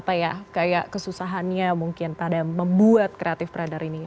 apa ya kayak kesusahannya mungkin pada membuat creative radar ini